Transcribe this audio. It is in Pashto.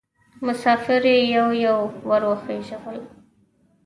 مسافر یې یو یو ور وخېژول.